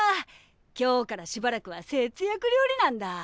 今日からしばらくは節約料理なんだ。